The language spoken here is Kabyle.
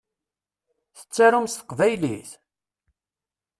Tettarum s teqbaylit?